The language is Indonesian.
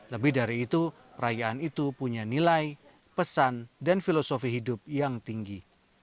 lebih dari itu perayaan itu punya nilai pesan dan filosofi hidup yang tinggi